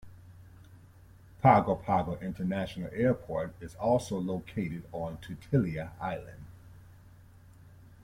Pago Pago International Airport is also located on Tutuila island.